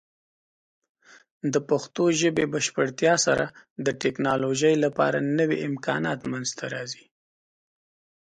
د پښتو ژبې بشپړتیا سره، د ټیکنالوجۍ لپاره نوې امکانات منځته راځي.